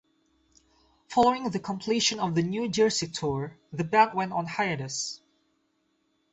Following the completion of the New Jersey tour, the band went on hiatus.